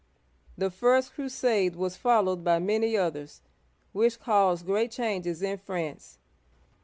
The first crusade was followed by many others, which caused great changes in France.